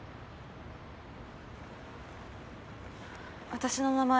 私の名前